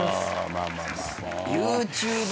ＹｏｕＴｕｂｅ